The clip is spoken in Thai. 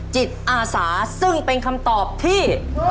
จิตอาสาซึ่งเป็นคำตอบที่